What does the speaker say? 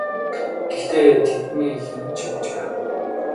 Гэхдээ тэдний хэн нь ч үхэж байгаагүй.